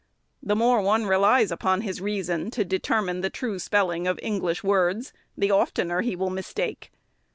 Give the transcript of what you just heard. The more one relies upon his reason to determine the true spelling of English words, the oftener he will mistake.